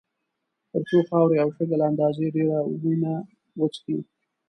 تر څو خاورې او شګه له اندازې ډېره وینه وڅښي.